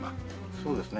そうですね。